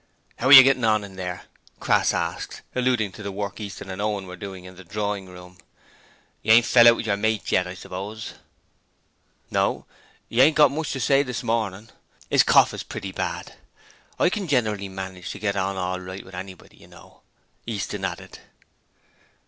'How are you getting on in there?' Crass asked, alluding to the work Easton and Owen were doing in the drawing room. 'You ain't fell out with your mate yet, I s'pose?' 'No; 'e ain't got much to say this morning; 'is cough's pretty bad. I can generally manage to get on orl right with anybody, you know,' Easton added.